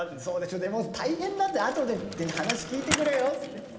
「そうでしょでも大変だったあとで話聞いてくれよ」